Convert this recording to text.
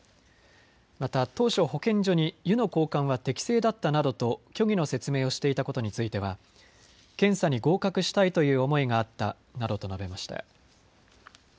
また当初、保健所に湯の交換は適正だったなどと虚偽の説明をしていたことについては検査に合格したいという思いがあったなどと述べました。